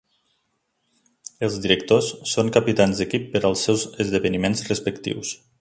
Els directors són capitans d'equip per als seus esdeveniments respectius.